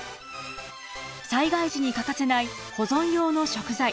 災害時に欠かせない保存用の食材。